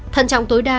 thân trọng tối đa